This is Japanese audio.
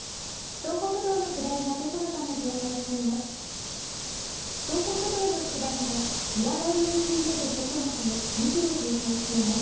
東北道の下りが事故のため渋滞しています。